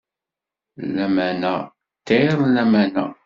Lamana ṭṭir n lamana.